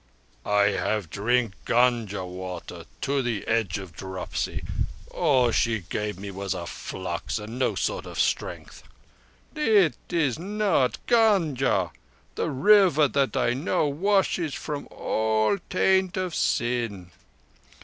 "I have drank Gunga water to the edge of dropsy. All she gave me was a flux, and no sort of strength." "It is not Gunga. The River that I know washes from all taint of sin.